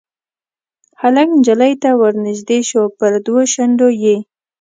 هلک نجلۍ ته ورنیژدې شو پر دوو شونډو یې